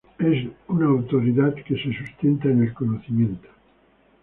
Es una autoridad que se sustenta en el conocimiento.